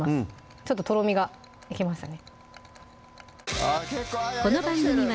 ちょっととろみがいけましたね